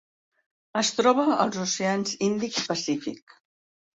Es troba als oceans Índic i Pacífic.